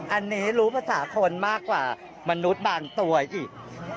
อันนี้รู้ภาษาคนมากกว่ามนุษย์บางตัวอีก